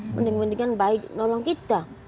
mendingan mendingan baik nolong kita